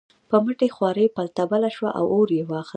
په مټې خوارۍ پلته بله شوه او اور یې واخیست.